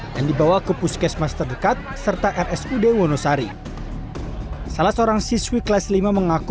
yang dibawa ke puskesmas terdekat serta rsud wonosari salah seorang siswi kelas lima mengaku